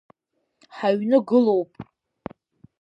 Ҳаҩны гылоуп…